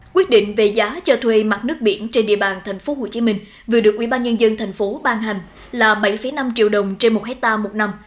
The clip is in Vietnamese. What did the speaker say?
quyết định về giá cho thuê mặt nước biển trên địa bàn tp hcm vừa được ubnd tp ban hành là bảy năm triệu đồng trên một hectare một năm